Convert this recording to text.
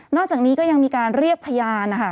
อกจากนี้ก็ยังมีการเรียกพยานนะคะ